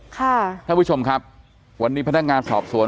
ท่านผู้ชมครับวันนี้พนักงานสอบสวน